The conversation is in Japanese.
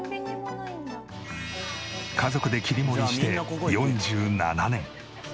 家族で切り盛りして４７年。